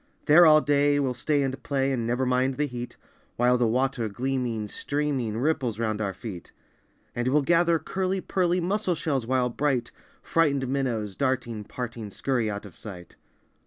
There all day we'll stay and play and Never mind the heat, While the water gleaming, streaming, Ripples round our feet. And we'll gather curly pearly Mussel shells while bright Frightened minnows darting, parting, Scurry out of sight.